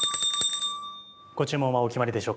ご注文はお決まりでしょうか？